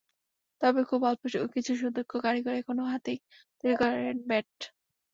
তবে খুব অল্প কিছু সুদক্ষ কারিগর এখনো হাতেই তৈরি করেন ব্যাট।